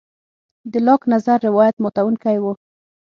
د لاک نظر روایت ماتوونکی و.